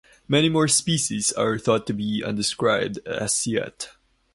Many more species are thought to be undescribed as yet.